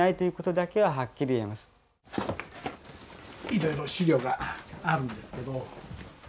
いろいろ史料があるんですけど。